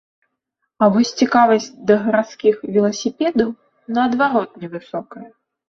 А вось цікавасць да гарадскіх веласіпедаў, наадварот, невысокая.